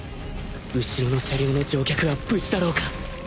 後ろの車両の乗客は無事だろうか